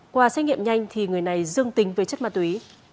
qua xét nghiệm nhanh thì người này dương tính với chất ma túy